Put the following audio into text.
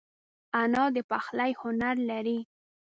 انا د پخلي هنر لري